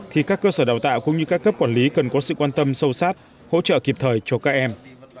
thì các cơ sở đào tạo cũng như các cấp quản lý cần có sự quan tâm sâu sát hỗ trợ kịp thời cho các em